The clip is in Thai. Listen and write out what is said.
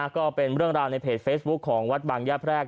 ก็เป็นเรื่องราวในเพจเฟซบุ๊คของวัดบางย่าแพรก